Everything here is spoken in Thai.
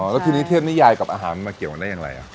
แล้วทีนี้เทพนิยายกับอาหารมาเกี่ยวกันได้อย่างไร